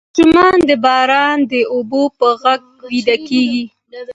ماشومان د باران د اوبو په غږ ویده کیږي.